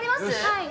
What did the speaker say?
はい。